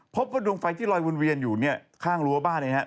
พบว่าดวงไฟที่ลอยวนเวียนอยู่เนี่ยข้างรั้วบ้านนะครับ